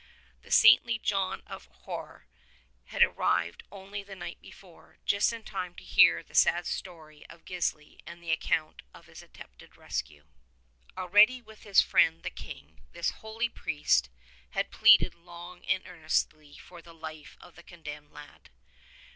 The saintly John of Holar had arrived only the night before, just in time to hear the sad story of Gish and the account of his attempted rescue. Already with his friend the King this holy priest had pleaded long and earnestly for the life of the condemned lad.